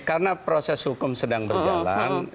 karena proses hukum sedang berjalan